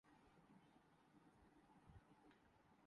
سختی تو دیوبندی اسلام کا حصہ تھا۔